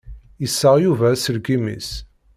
Yessaɣ Yuba aselkim-is.